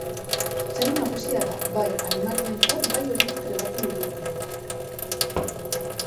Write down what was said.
Sari nagusia da, bai animalientzat bai horiek trebatzen dituztenentzat.